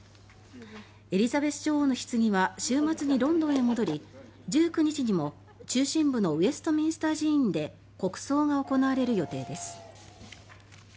エリザベス女王のひつぎは週末にロンドンへ戻り１９日にも中心部のウェストミンスター寺院で国葬が行われる予定です。